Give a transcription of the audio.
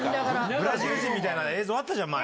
ブラジル人みたいな映像あったじゃん前。